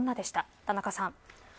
田中さん。